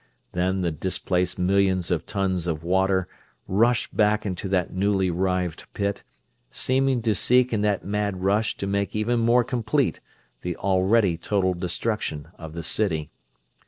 Then the displaced millions of tons of water rushed back into that newly rived pit, seeming to seek in that mad rush to make even more complete the already total destruction of the city.